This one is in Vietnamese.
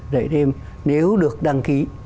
dạy thêm nếu được đăng ký